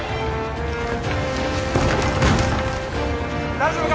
大丈夫か？